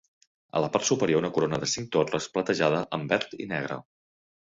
A la part superior una corona de cinc torres, platejada amb verd i negre.